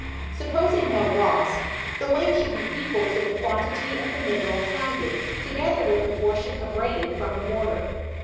Supposing no loss, the weight should be equal to the quantity of the mineral pounded together with the portion abraded from the mortar.